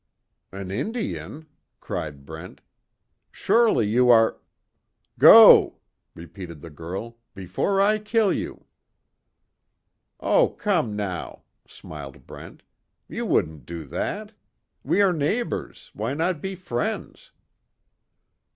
"An Indian!" cried Brent, "Surely, you are " "Go!" Repeated the girl, "Before I kill you!" "Oh, come, now," smiled Brent, "You wouldn't do that. We are neighbors, why not be friends?"